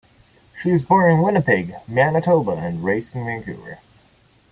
She was born in Winnipeg, Manitoba and raised in Vancouver.